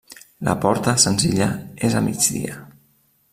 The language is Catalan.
La porta, senzilla, és a migdia.